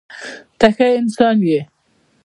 ته ښه انسان یې.